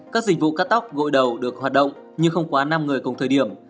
các dịch vụ cắt tóc gội đầu được hoạt động nhưng không quá năm người cùng thời điểm